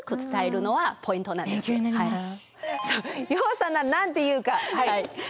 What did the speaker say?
楊さんなら何て言うか。